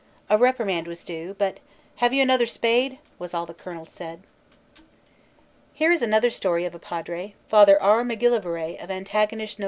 A reprimand was due, but "Have you another spade?" was all the Colonel said. Here is another story of a Padre. Father R. MacGillivray of Antigonish, N.S.